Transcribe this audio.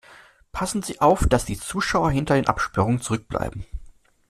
Passen Sie auf, dass die Zuschauer hinter den Absperrungen zurückbleiben.